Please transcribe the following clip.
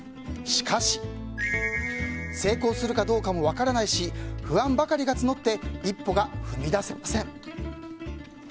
しかし成功するかどうかも分からないし不安ばかりが募って一歩が踏み出せません。